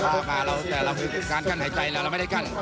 พามาแต่การกั้นหายใจเราไม่ได้กั้น